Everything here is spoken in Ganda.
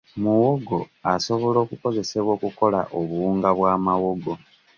Muwogo asobola okukozesebwa okukola obuwunga bwa mawogo.